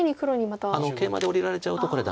ケイマで下りられちゃうとこれダメです。